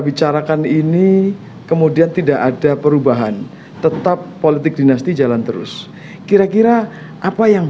bicarakan ini kemudian tidak ada perubahan tetap politik dinasti jalan terus kira kira apa yang